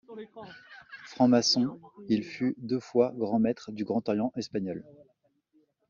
Franc-maçon, il fut deux fois Grand Maître du Grand Orient Espagnol.